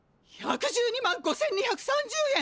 １１２万５，２３０円！